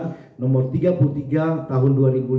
yang diperkenankan pada tahun dua ribu lima belas